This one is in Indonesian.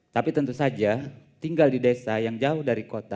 tapi tentu saja tinggal di desa yang jauh dari kota